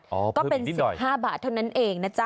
ก็เป็น๑๕บาทเท่านั้นเองนะจ๊ะ